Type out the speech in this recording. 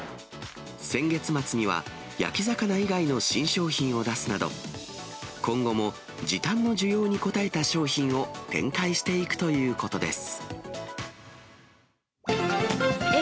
先月末には、焼き魚以外の新商品を出すなど、今後も時短の需要に応えた商品を展開していくということです。